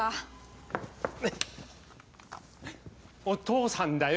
お父さんか。